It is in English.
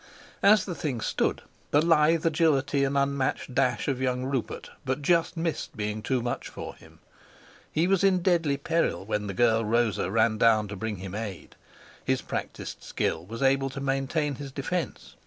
As the thing stood, the lithe agility and unmatched dash of young Rupert but just missed being too much for him. He was in deadly peril when the girl Rosa ran down to bring him aid. His practised skill was able to maintain his defence.